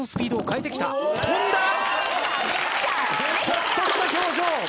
ほっとした表情。